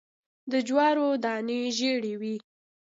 د جوارو دانی ژیړې وي